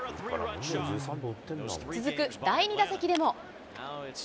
続く第２打席でも。